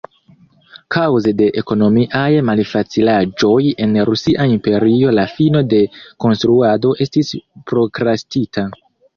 Kaŭze de ekonomiaj malfacilaĵoj en Rusia Imperio la fino de konstruado estis prokrastita.